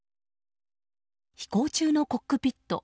飛行中のコックピット。